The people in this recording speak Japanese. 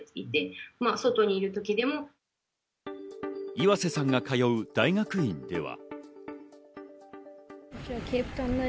岩瀬さんが通う大学院では。